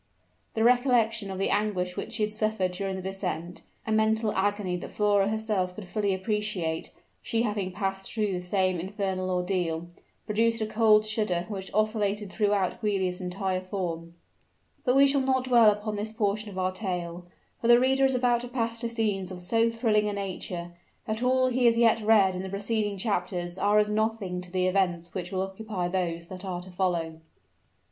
The recollection of the anguish she had suffered during the descent, a mental agony that Flora herself could fully appreciate, she having passed through the same infernal ordeal, produced a cold shudder which oscillated throughout Giulia's entire form. But we shall not dwell upon this portion of our tale; for the reader is about to pass to scenes of so thrilling a nature, that all he has yet read in the preceding chapters are as nothing to the events which will occupy those that are to follow.